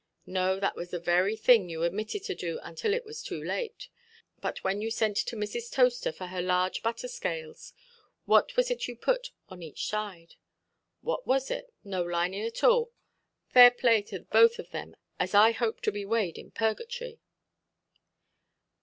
"No, that was the very thing you omitted to do, until it was too late. But when you sent to Mrs. Toaster for her large butter–scales, what was it you put on each side"? "What was it? No lining at all. Fair play for the both of them, as I hope to be weighed in purgatory".